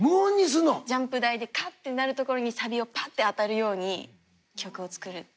ジャンプ台でカッてなるところにサビをパッて当たるように曲を作る。